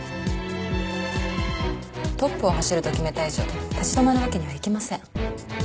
トップを走ると決めた以上立ち止まるわけにはいきません。